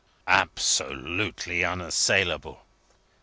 "Absolutely unassailable."